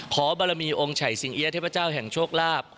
บารมีองค์ไฉสิงเอี๊ยเทพเจ้าแห่งโชคลาภ